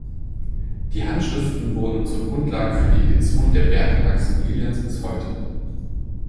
Die Handschriften wurden zur Grundlage für die Edition der Werke Maximilians bis heute.